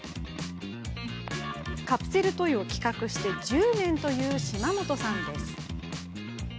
カプセルトイを企画して１０年という島本さん。